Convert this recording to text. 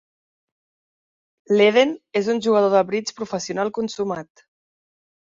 Ledeen és un jugador de bridge professional consumat.